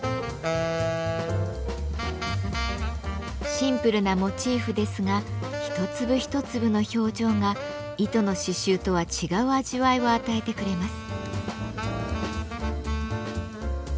シンプルなモチーフですが一粒一粒の表情が糸の刺繍とは違う味わいを与えてくれます。